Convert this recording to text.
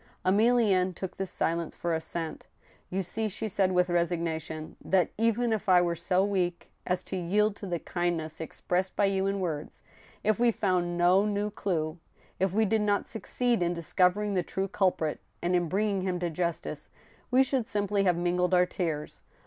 Emilienne took this silence for assent. " You see," she said, with resignation, " that even if I were so weak as to yield to the kindness expressed by you in words, if we found no new clew, if we did not succeed in discovering the true culprit, and in bringing him to justice, we should simply have mingled our tears.